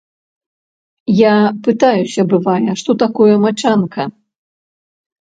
Я пытаюся, бывае, што такое мачанка?